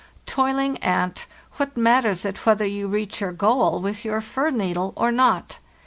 Toiling ant, what matters it whether you reach your goal with your fir needle or not?